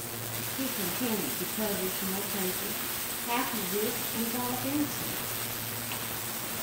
He continued to publish more papers, half of which involved insects.